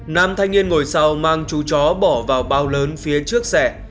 nam thanh niên ngồi sau mang chú chó bỏ vào bao lớn phía trước xe